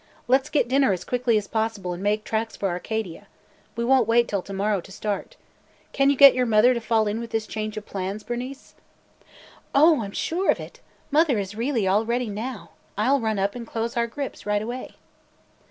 Let 's get dinner as quickly as possible and make tracks for Arcadia. We won't wait till to morrow to start. Can you get your mother to fall in with this change of plans, Bernice?" "Oh, I 'm sure of it! Mother is really all ready now. I 'll run up and close our grips right away."